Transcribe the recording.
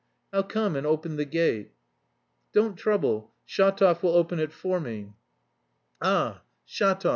"I'll come and open the gate." "Don't trouble, Shatov will open it for me." "Ah, Shatov.